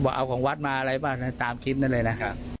ก็บอกเอาของวัดมาอะไรตามคลิปนั้นเลยนะ